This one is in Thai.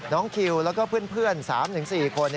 น้องคิวและเพื่อนสามถึงสี่คน